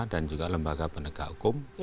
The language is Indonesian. dan juga lembaga penegak hukum